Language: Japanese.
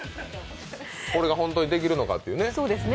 これが本当にできるのかっていうね